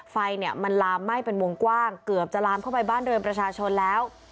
ไฟเนี่ยมันลามไหม้เป็นวงกว้างเกือบจะลามเข้าไปบ้านเรือนประชาชนแล้ว